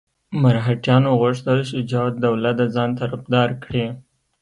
مرهټیانو غوښتل شجاع الدوله د ځان طرفدار کړي.